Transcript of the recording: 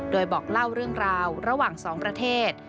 โดยบอกเล่าเรื่องราวระหว่างสองประเทศ